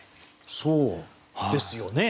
そうですよね。